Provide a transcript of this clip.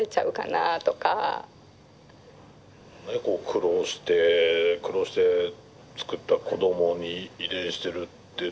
苦労して苦労してつくった子供に遺伝してるって。